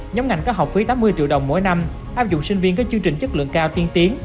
nhóm ngành có học phí tám mươi triệu đồng mỗi năm áp dụng sinh viên có chương trình chất lượng cao tiên tiến